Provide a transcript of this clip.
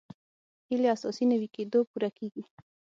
هیلې اساسي نوي کېدو پوره کېږي.